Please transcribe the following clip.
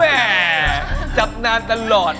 แม่จับนานตลอด